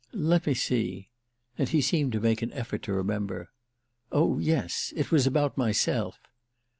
"Let me see." And he seemed to make an effort to remember. "Oh yes—it was about myself."